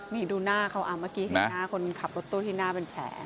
นี่ดูหน้าเขาเมื่อกี้เห็นหน้าคนขับรถตู้ที่หน้าเป็นแผล